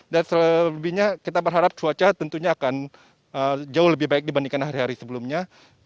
dan selebihnya kita berharap cuaca tentunya akan jauh lebih baik dibandingkan hari hari sebelumnya